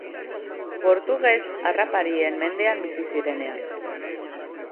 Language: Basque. Portuges harraparien mendean bizi zirenean.